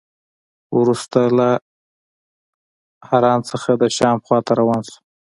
وروسته له حران څخه د شام خوا ته روان شو.